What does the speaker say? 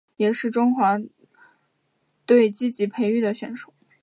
也是中华队积极培育的选手。